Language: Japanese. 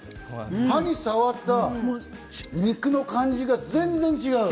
歯に触った肉の感じが全然違う！